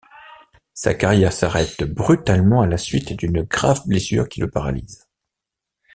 Sa carrière s'arrête brutalement à la suite d'une grave blessure qui le paralyse.